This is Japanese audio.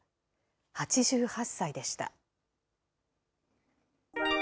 ８８歳でした。